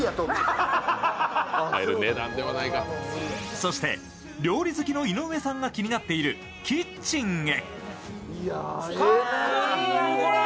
そして、料理好きの井上さんが気になっているキッチンへ。